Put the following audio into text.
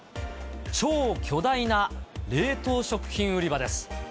超巨大な冷凍食品売り場です。